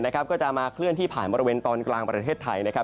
ก็จะมาเคลื่อนที่ผ่านบริเวณตอนกลางประเทศไทยนะครับ